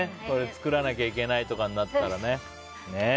これ作らなきゃいけないとかなったらね。